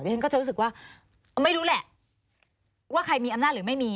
ฉันก็จะรู้สึกว่าไม่รู้แหละว่าใครมีอำนาจหรือไม่มี